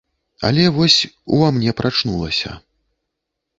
Але вось, ува мне прачнулася.